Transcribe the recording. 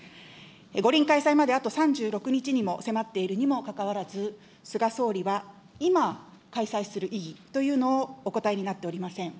五輪開催まであと３６日にも迫っているにもかかわらず、菅総理は今、開催する意義というのをお答えになっておりません。